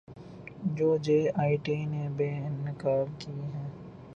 جو J I T نے بے نقاب کی ہیں